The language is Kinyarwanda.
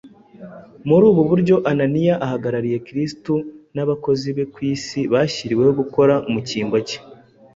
Muri ubu buryo Ananiya ahagarariye Kristo n’abakozi be ku isi bashyiriweho gukora mu cyimbo cye.